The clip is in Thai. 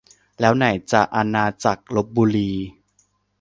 แล้วไหนจะอาณาจักรลพบุรี